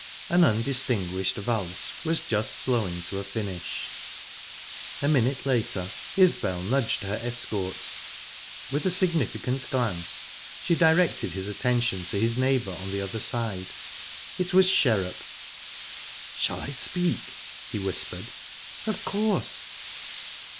An undistinguished valse was just slowing to a finish. A minute later Isbel nudged her escort; with a significant glance she directed his attention to his neighbour on the other side. It was Sherrup. "Shall I speak?" he whispered. "Of course."